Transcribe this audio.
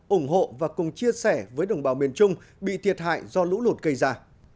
ủng hộ và cùng chia sẻ với đồng bào miền trung bị thiệt hại do lũ lụt gây ra